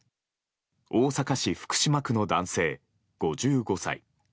大阪市福島区の男性、５５歳。